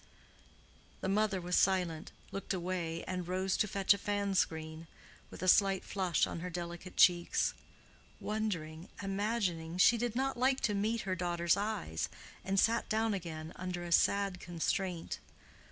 The mother was silent, looked away, and rose to fetch a fan screen, with a slight flush on her delicate cheeks. Wondering, imagining, she did not like to meet her daughter's eyes, and sat down again under a sad constraint.